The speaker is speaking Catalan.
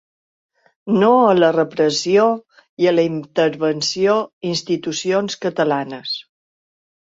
No a la repressió i a la intervenció institucions catalanes.